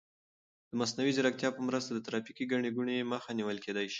د مصنوعي ځیرکتیا په مرسته د ترافیکي ګڼې ګوڼې مخه نیول کیدای شي.